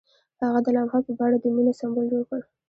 هغه د لمحه په بڼه د مینې سمبول جوړ کړ.